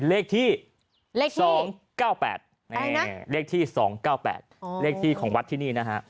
เลขที่เลข๒๙๘เลขที่๒๙๘เลขที่ของวัดที่นี่นะฮะ